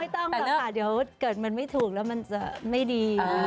ต้องค่ะเดี๋ยวเกิดมันไม่ถูกแล้วมันจะไม่ดี